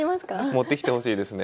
持ってきてほしいですね。